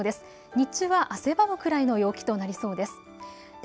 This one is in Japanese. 日中は汗ばむくらいの陽気となりそうです。